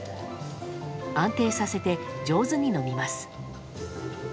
安定させて上手に飲みます。